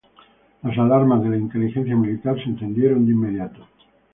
Las alarmas de la inteligencia militar se encendieron de inmediato.